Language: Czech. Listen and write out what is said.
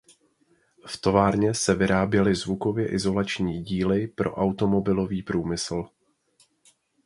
V továrně se vyráběly zvukově izolační díly pro automobilový průmysl.